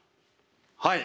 はい。